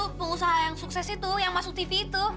itu pengusaha yang sukses itu yang masuk tv itu